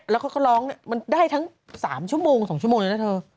แล้วเขาก็ร้องมันได้ทั้ง๓ชั่วโมง๒ชั่วโมงเลยนะเธอ